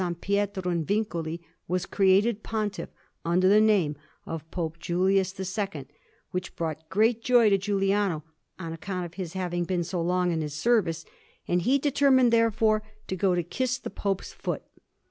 Pietro in Vincula was created Pontiff, under the name of Pope Julius II; which brought great joy to Giuliano, on account of his having been so long in his service, and he determined, therefore, to go to kiss the Pope's foot.